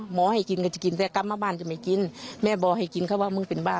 ให้กินก็จะกินแต่กลับมาบ้านจะไม่กินแม่บอกให้กินเขาว่ามึงเป็นบ้า